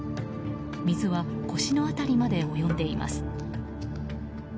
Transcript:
水は腰の辺りまで及んでいます。